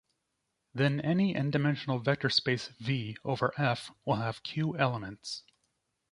Then any "n"-dimensional vector space "V" over F will have "q" elements.